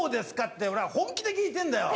って俺は本気で聞いてるんだよ！